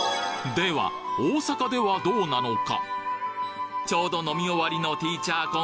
では大阪ではどうなのか？